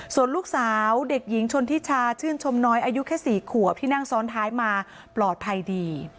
ส่วนลูกสาวเด็กหญิงชนทิชาชื่นชมน้อยอายุแค่๔ขวบที่นั่งซ้อนท้ายมาปลอดภัยดี